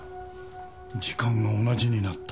時間が同じになった。